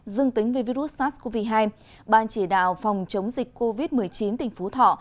dương tính với virus sars cov hai ban chỉ đạo phòng chống dịch covid một mươi chín tỉnh phú thọ